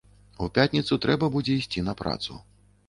У пятніцу трэба будзе ісці на працу.